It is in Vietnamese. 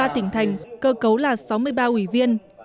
sáu mươi ba tỉnh thành cơ cấu là sáu mươi ba ủy viên